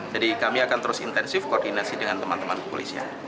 jadi kami akan terus intensif koordinasi dengan teman teman polisnya